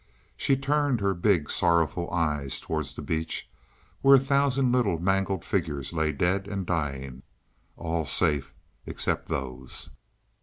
She turned her big, sorrowful eyes towards the beach, where a thousand little mangled figures lay dead and dying. "All safe except those."